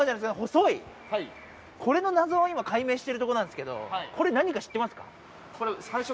細いこれの謎を今解明してるとこなんですけどこれ何か知ってますか？